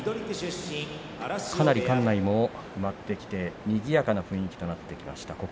かなり館内もにぎやかな雰囲気になってきました。